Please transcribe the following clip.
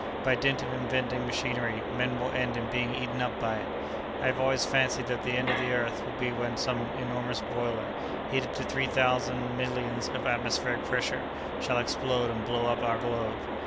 By dint of inventing machinery, men will end in being eaten up by it! I have always fancied that the end of the earth will be when some enormous boiler, heated to three thousand millions of atmospheric pressure, shall explode and blow up our Globe!"